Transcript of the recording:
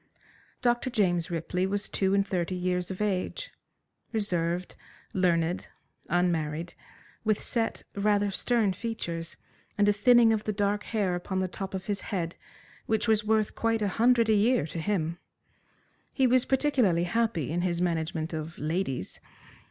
Dr. James Ripley was two and thirty years of age, reserved, learned, unmarried, with set, rather stern features, and a thinning of the dark hair upon the top of his head, which was worth quite a hundred a year to him. He was particularly happy in his management of ladies.